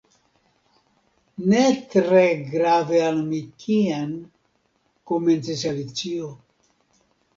"Ne tre grave al mi kien—" komencis Alicio.